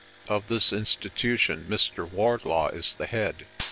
Of this institution Mr. Wardlaw is the head.